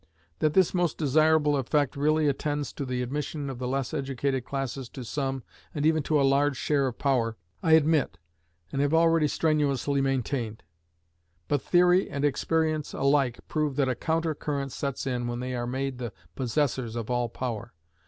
That this most desirable effect really attends the admission of the less educated classes to some, and even to a large share of power, I admit, and have already strenuously maintained. But theory and experience alike prove that a counter current sets in when they are made the possessors of all power.